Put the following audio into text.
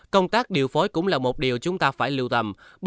công tác điều phối cũng là một đối tượng khó tiếp cận với hệ thống y tế